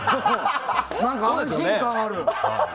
何か安心感がある。